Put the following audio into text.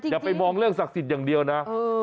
อย่าไปมองเรื่องศักดิ์สิทธิ์อย่างเดียวนะ